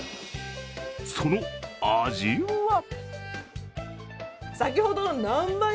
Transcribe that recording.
その味は？